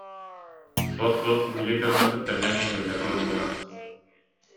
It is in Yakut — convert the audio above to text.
Суох, суох, били дьоннорбут төннөн иһэллэр быһыылаах